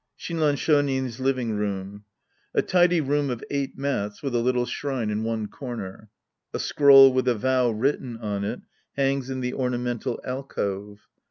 (Shinran ShOnin's living room. A tidy room of eight mats, with a little shrine in one corner. A scroll with a vow written on it hangs in the ornamental alcove.